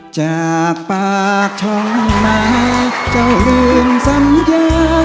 จากปากท่องมาเจ้าลืมสัญญา